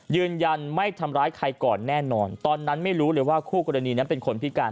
ยืนยันไม่ทำร้ายใครก่อนแน่นอนตอนนั้นไม่รู้เลยว่าคู่กรณีนั้นเป็นคนพิการ